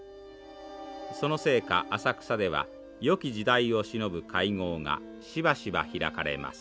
そのせいか浅草ではよき時代を忍ぶ会合がしばしば開かれます。